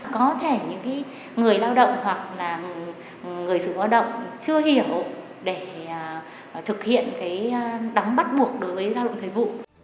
có thể những người lao động hoặc là người sử dụng lao động chưa hiểu để thực hiện đóng bắt buộc đối với lao động thời vụ